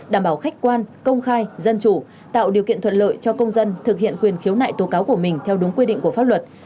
đảm bảo khách quan công khai dân chủ tạo điều kiện thuận lợi cho công dân thực hiện quyền khiếu nại tố cáo của mình theo đúng quy định của pháp luật